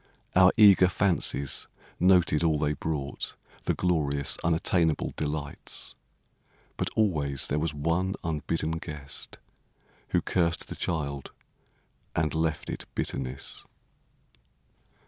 Our eager fancies noted all they brought, The glorious, unattainable delights! But always there was one unbidden guest Who cursed the child and left it bitterness.